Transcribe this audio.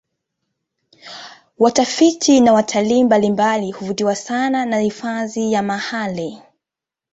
Watafiti na watalii mbalimbali huvutiwa sana na hifadhi ya mahale